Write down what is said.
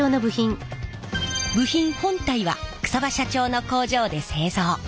部品本体は草場社長の工場で製造。